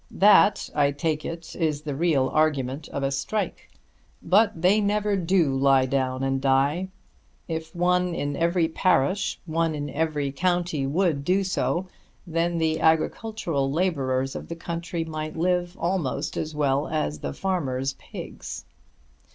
That I take it is the real argument of a strike. But they never do lie down and die. If one in every parish, one in every county, would do so, then the agricultural labourers of the country might live almost as well as the farmers' pigs.